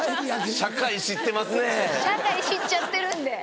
社会知っちゃってるんで。